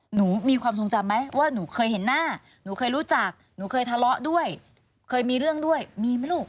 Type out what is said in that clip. หนูมีความทรงจำไหมว่าหนูเคยเห็นหน้าหนูเคยรู้จักหนูเคยทะเลาะด้วยเคยมีเรื่องด้วยมีไหมลูก